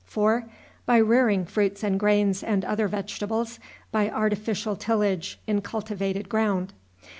4. By rearing fruits and grains and other vegetables by artificial tillage in cultivated ground.